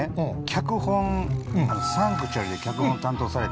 脚本「サンクチュアリ」で脚本担当をされた。